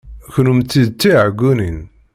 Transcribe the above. Kennemti d tiɛeggunin.